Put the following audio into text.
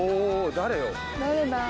誰だ？